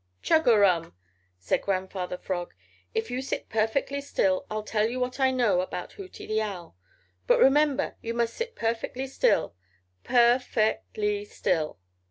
"Chug a rum," said Grandfather Frog. "If you'll sit perfectly still I'll tell you what I know about Hooty the Owl. But remember, you must sit perfectly still, per fect ly still."